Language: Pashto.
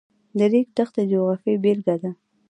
د ریګ دښتې د جغرافیې بېلګه ده.